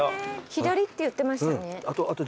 左って言ってましたね。